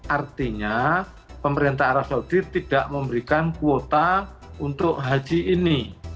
artinya pemerintah arab saudi tidak memberikan kuota untuk haji ini